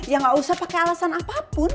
ya gak usah pakai alasan apapun